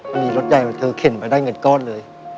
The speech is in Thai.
มันมีรถใหญ่เธอเข็นไปได้เงินก้อนเลย